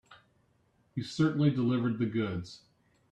You certainly delivered the goods.